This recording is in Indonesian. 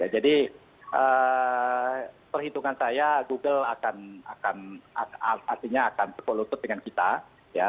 jadi perhitungan saya google akan artinya akan berkelutup dengan kita